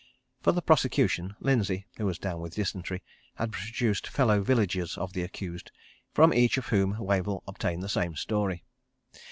For the prosecution, Lindsay, who was down with dysentery, had produced fellow villagers of the accused, from each of whom Wavell obtained the same story.